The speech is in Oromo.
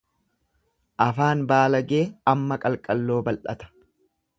Afaan baalagee amma qalqalloo bal'ata.